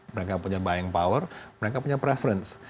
mereka punya buying power mereka punya preference